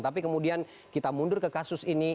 tapi kemudian kita mundur ke kasus ini